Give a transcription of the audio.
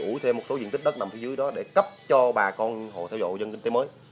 ủi thêm một số diện tích đất nằm phía dưới đó để cấp cho bà con hồ theo dụ dân kinh tế mới